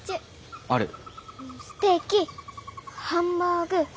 ステーキハンバーグ